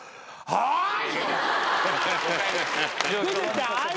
はい。